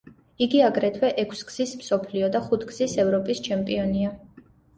იგი აგრეთვე ექვსგზის მსოფლიო და ხუთგზის ევროპის ჩემპიონია.